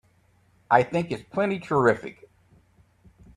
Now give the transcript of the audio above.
I think it's plenty terrific!